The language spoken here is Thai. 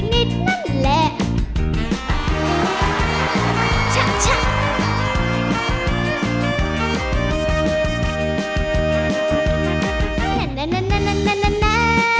แน่แน่แน่แน่แน่แน่แน่